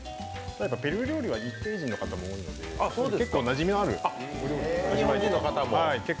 ペルー料理は日系人の方も多いので結構なじみがある。